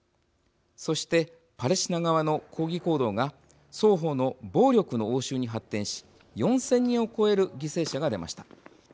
そしてパレスチナ側の抗議行動が双方の暴力の応酬に発展し４，０００人を超える犠牲者が出ました。